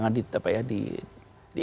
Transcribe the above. loh nyatanya anak anak muda itu bisa